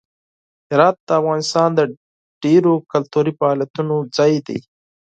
هرات د افغانستان د ډیرو کلتوري فعالیتونو ځای دی.